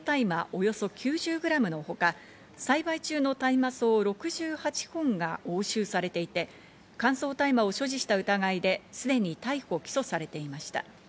およそ９０グラムのほか、栽培中の大麻草６８本が押収されていて、乾燥大麻を所持した疑いですでに逮捕・起訴されていました。